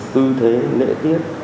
tư thế lễ tiết